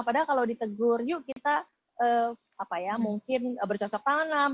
padahal kalau ditegur yuk kita mungkin bercocok tanam